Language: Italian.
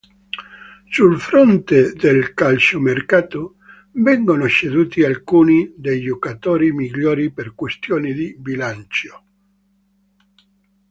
Sul fronte del calciomercato, vengono ceduti alcuni dei giocatori migliori per questioni di bilancio.